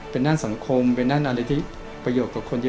เป็นด้านสังคมเป็นด้านอะไรที่ประโยชน์กับคนเยอะ